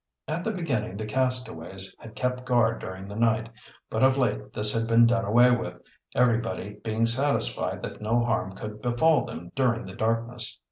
At the beginning the castaways had kept guard during the night, but of late this had been done away with, everybody being satisfied that no harm could befall them during the darkness.